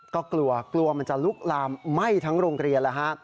ก็กลัวกลัวมันจะลุกลามไหม้ทั้งโรงเรียนแล้วฮะ